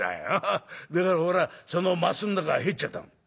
だから俺はその升ん中へ入っちゃったの」。